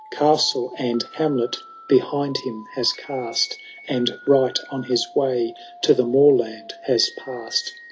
Castle and hamlet behind him has cast. And right on his way to the moorland has passed.